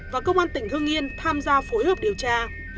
và công an tỉnh hương yên tham gia phối hợp điều tra